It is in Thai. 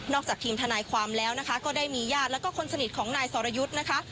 จากทีมทนายความแล้วนะคะก็ได้มีญาติแล้วก็คนสนิทของนายสรยุทธ์นะคะ